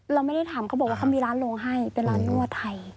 เราไม่ได้ถามเขาบอกว่าเขามีร้านลงให้เป็นร้านนั่วไทย